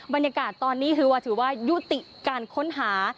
บรรยากาศตอนนี้คือว่าถือว่ายุติการค้นหา